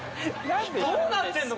どうなってんの？